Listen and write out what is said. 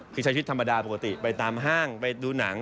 คือใช้ชีวิตธรรมดาปกติไปตามห้างไปดูหนัง